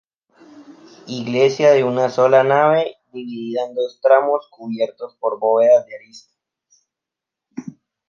Iglesia de una sola nave dividida en dos tramos cubiertos por bóvedas de arista.